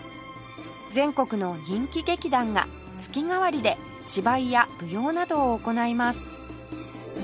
全国の人気劇団が月替わりで芝居や舞踊などを行います